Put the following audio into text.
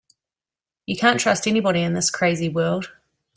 You can't trust anybody in this crazy world.